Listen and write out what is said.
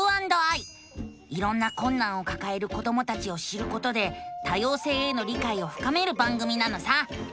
いろんなこんなんをかかえる子どもたちを知ることで多様性への理解をふかめる番組なのさ！